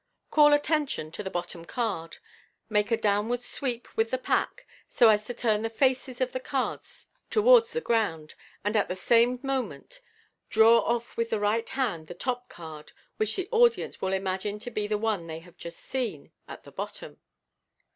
(See Fig. 17.) Call attention to the bottom card; make a downward sweep with the pack so as to turn the faces of the cards towards Fig. 17. the ground, and at the same moment draw off with the right hand the top card, which the audience will imagine to be the one they have just seen at the bottom.